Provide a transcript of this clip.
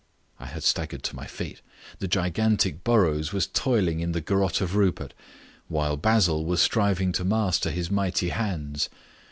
I had staggered to my feet. The gigantic Burrows was toiling in the garotte of Rupert, while Basil was striving to master his mighty hands.